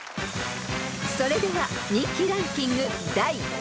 ［それでは人気ランキング第４位］